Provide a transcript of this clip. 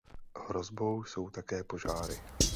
Hrozbou jsou také požáry.